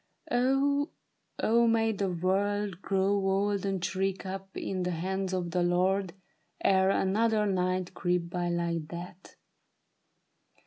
" Oh, oh may the world Grow old and shrink up in the hands of the Lord Ere another night creep by like that